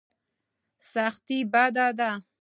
سختي بد دی.